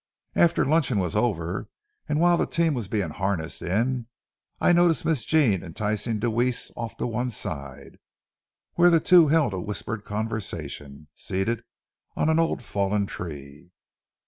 After luncheon was over and while the team was being harnessed in, I noticed Miss Jean enticing Deweese off on one side, where the two held a whispered conversation, seated on an old fallen tree.